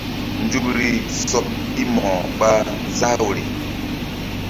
Nzukri sɔɓ ɗi Mo̧ko ɓa záh woyri.